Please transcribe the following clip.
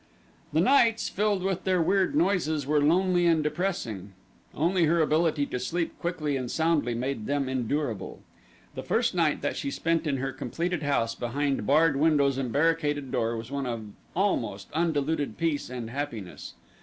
The nights, filled with their weird noises, were lonely and depressing. Only her ability to sleep quickly and soundly made them endurable. The first night that she spent in her completed house behind barred windows and barricaded door was one of almost undiluted peace and happiness.